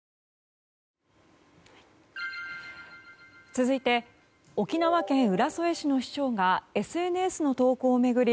続いて沖縄県浦添市の市長がＳＮＳの投稿を巡り